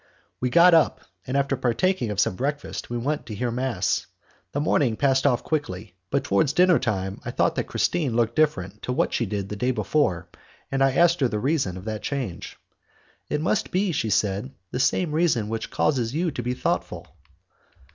We got up, and, after partaking of some breakfast, we went to hear mass. The morning passed off quickly, but towards dinner time I thought that Christine looked different to what she did the day before, and I asked her the reason of that change. "It must be," she said, "the same reason which causes you to be thoughtful."